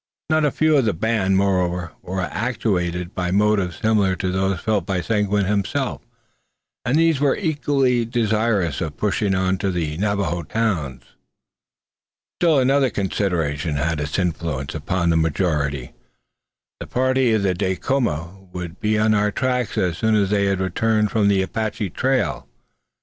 Not a few of the band, moreover, were actuated by motives similar to those felt by Seguin himself, and these were equally desirous of pushing on to the Navajo towns. Still another consideration had its influence upon the majority. The party of Dacoma would be on our track as soon as they had returned from the Apache trail.